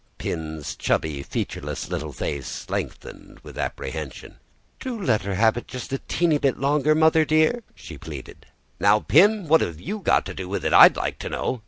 Pin's chubby, featureless little face lengthened with apprehension. "Do let her have it just a tiny bit longer, mother dear, dear!" she pleaded. "Now, Pin, what have you got to do with it I'd like to know!"